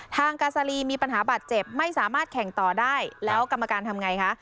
ทางกาซาลีมีปัญหาบาดเจ็บไม่สามารถแข่งต่อได้แล้วกรรมการทำไงคะ